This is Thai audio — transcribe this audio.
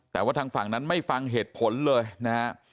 แต่ว่าทางฝั่งนั้นไม่ฟังเหตุผลเลยนะฮะ